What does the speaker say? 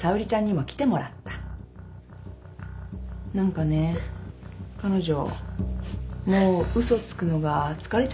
何かね彼女もう嘘つくのが疲れちゃったんだって。